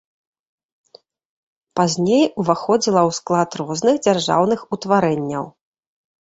Пазней уваходзіла ў склад розных дзяржаўных утварэнняў.